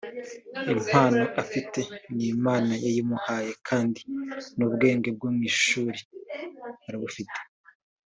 impano afite n’Imana yayimuhaye kandi n’ubwenge bwo mu ishuri arabufite